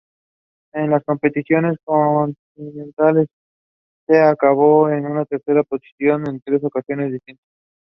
The matches at Carlaw Park saw one minutes silence before kickoff.